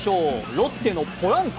ロッテのポランコ。